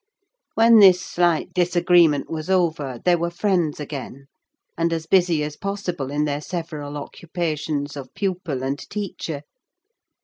When this slight disagreement was over, they were friends again, and as busy as possible in their several occupations of pupil and teacher.